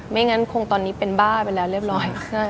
งั้นคงตอนนี้เป็นบ้าไปแล้วเรียบร้อย